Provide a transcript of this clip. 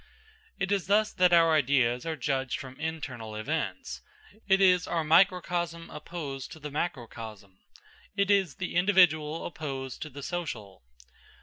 It is thus that our ideas are judged from internal events. It is our microcosm opposed to the macrocosm. It is the individual opposed to the social.